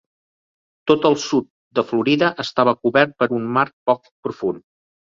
Tot el sud de Florida estava cobert per un mar poc profund.